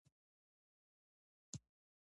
نه خپل حيثت ته وګوري